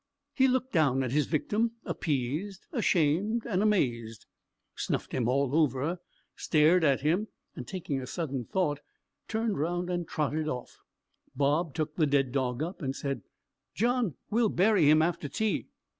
He looked down at his victim appeased, ashamed, and amazed; snuffed him all over, stared at him, and taking a sudden thought, turned round and trotted off. Bob took the dead dog up, and said, "John, we'll bury him after tea."